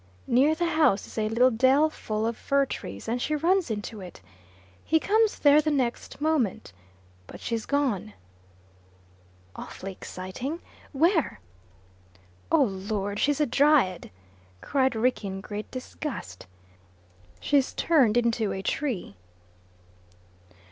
Near the house is a little dell full of fir trees, and she runs into it. He comes there the next moment. But she's gone." "Awfully exciting. Where?" "Oh Lord, she's a Dryad!" cried Rickie, in great disgust. "She's turned into a tree."